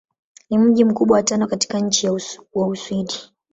Ni mji mkubwa wa tano katika nchi wa Uswidi.